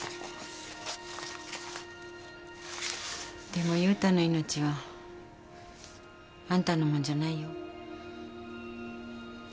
でも悠太の命はあんたのもんじゃないよ。